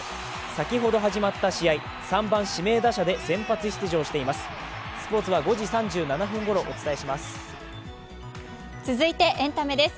先ほど始まった試合、３番・指名打者で先発出場しています。